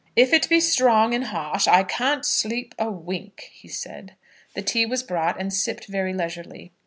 "If it be strong and harsh I can't sleep a wink," he said. The tea was brought, and sipped very leisurely.